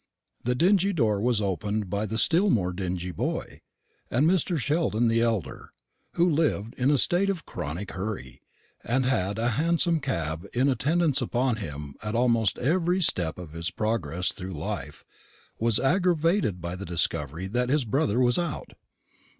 The dingy door was opened by the still more dingy boy; and Mr. Sheldon the elder who lived in a state of chronic hurry, and had a hansom cab in attendance upon him at almost every step of his progress through life was aggravated by the discovery that his brother was out.